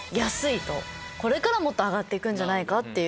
これからもっと上がって行くんじゃないかっていう。